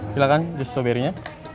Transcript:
silahkan justru berinya